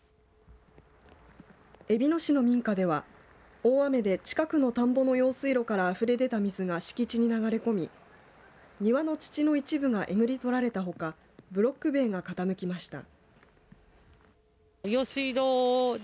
えびの市の民家では大雨で、近くの田んぼの用水路からあふれ出た水が敷地に流れ込み、庭の土の一部がえぐり取られたほかブロック塀が傾きました。